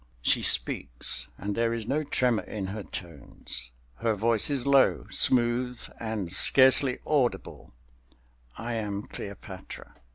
She speaks, and there is no tremor in her tones. Her voice is low, smooth and scarcely audible: "I am Cleopatra."